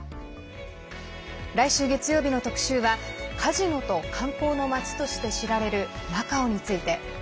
来週月曜日の特集はカジノと観光の町として知られるマカオについて。